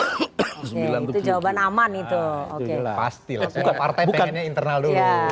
itu jawaban aman itu